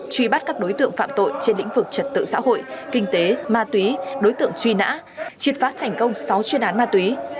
truy bắt các đối tượng phạm tội trên lĩnh vực trật tự xã hội kinh tế ma túy đối tượng truy nã triệt phá thành công sáu chuyên án ma túy